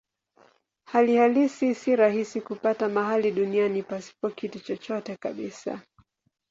Hali halisi si rahisi kupata mahali duniani pasipo kitu chochote kabisa.